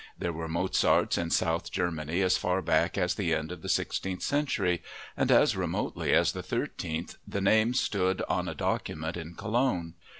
There were Mozarts in South Germany as far back as the end of the sixteenth century; and as remotely as the thirteenth the name stood on a document in Cologne.